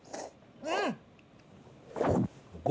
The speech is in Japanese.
うん！